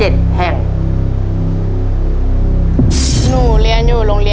ตัวเลือกที่สี่